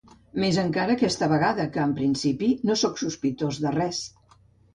Més encara aquesta vegada, que en principi no soc sospitós de res.